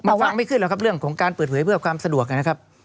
ระวังไม่ขึ้นหรอกครับเรื่องของการเปิดเผยเพื่อความสะดวกนะครับ